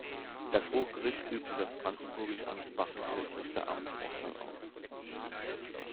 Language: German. Das Hochgericht übte das brandenburg-ansbachische Richteramt Roßtal aus.